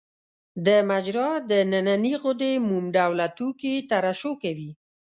د مجرا د نني غدې موم ډوله توکي ترشح کوي.